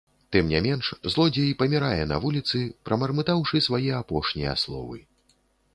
Тым не менш, злодзей памірае на вуліцы, прамармытаўшы свае апошнія словы.